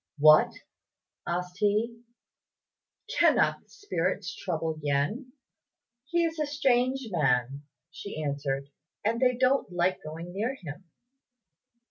"What!" asked he, "cannot the spirits trouble Yen?" "He is a strange man," she answered, "and they don't like going near him."